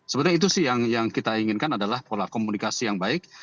sebenarnya itu sih yang kita inginkan adalah pola komunikasi yang baik